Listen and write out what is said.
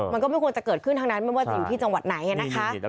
มันก็ไม่ควรจะเกิดขึ้นทั้งนั้นไม่ว่าจะอยู่ที่จังหวัดไหนนะคะ